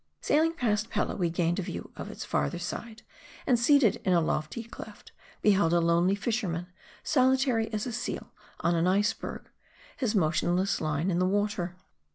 Sailing past Pella, we gained a view of its farther siojs ; and seated in a lofty cleft, beheld a lonely fisherman ; soli tary as a seal on an iceberg ; his motionless line in the water.